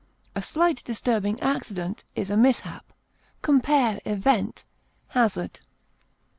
A slight disturbing accident is a mishap. Compare EVENT; HAZARD.